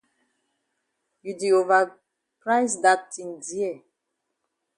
You di ova price dat tin dear.